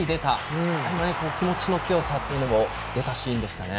そのあたりもね、気持ちの強さというのも出たシーンでしたね。